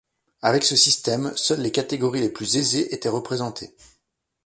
Avec ce système, seules les catégories les plus aisées étaient représentées.